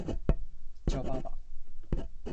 叫爸爸